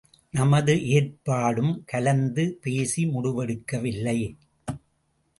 நமது ஏற்பாடும் கலந்து பேசி முடிவெடுக்கவில்லை.